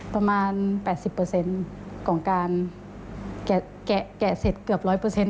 ประมาณ๘๐เปอร์เซ็นต์ของการแกะเสร็จเกือบ๑๐๐เปอร์เซ็นต์